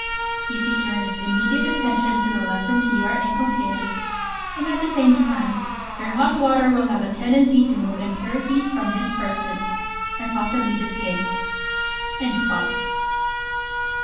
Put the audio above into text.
You secure his immediate attention to the lessons you are inculcating, and at the same time your hot water will have a tendency to move impurities from his person, and possibly the skin, in spots.